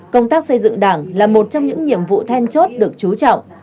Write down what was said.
công tác xây dựng đảng là một trong những nhiệm vụ then chốt được trú trọng